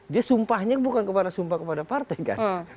dia sumpahnya bukan kepada sumpah kepada partai kan